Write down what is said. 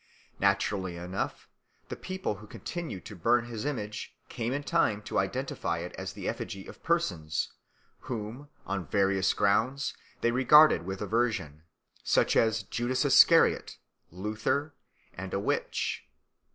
Naturally enough the people who continued to burn his image came in time to identify it as the effigy of persons, whom, on various grounds, they regarded with aversion, such as Judas Iscariot, Luther, and a witch.